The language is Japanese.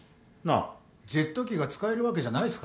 ジェット機が使えるわけじゃないですからね。